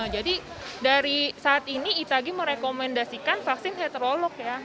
jadi dari saat ini itagi merekomendasikan vaksin heterolog